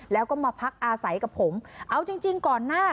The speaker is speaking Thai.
แล้วก็มาพักอาศัยกับผมเอาจริงจริงก่อนหน้า